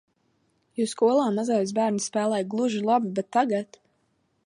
Jo skolā mazais bērns spēlē gluži labi, bet tagad...